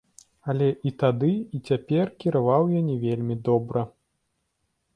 Але і тады, і цяпер кіраваў я не вельмі добра.